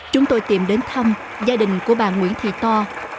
chúng tôi tìm đến thăm gia đình của bà nguyễn thị to